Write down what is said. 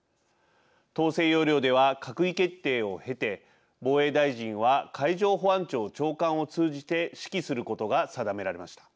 統制要領では閣議決定を経て防衛大臣は海上保安庁長官を通じて指揮することが定められました。